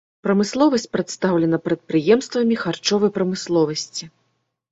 Прамысловасць прадстаўлена прадпрыемствамі харчовай прамысловасці.